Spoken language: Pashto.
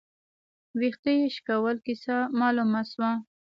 ، وېښته يې شکول، کيسه مالومه شوه